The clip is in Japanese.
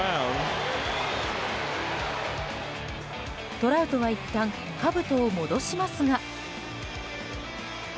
トラウトはいったんかぶとを戻しますが。